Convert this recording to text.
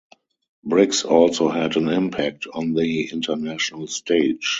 Briggs also had an impact on the international stage.